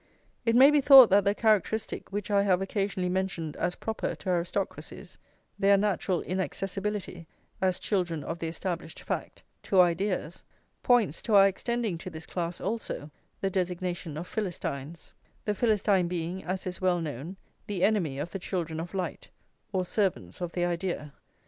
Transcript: It may be thought that the characteristic which I have occasionally mentioned as proper to aristocracies, their natural inaccessibility, as children of the established fact, to ideas, points to our extending to this class also the designation of Philistines; the Philistine being, as is well known, the enemy of the children of light, or servants of the idea.